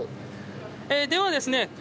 ではですね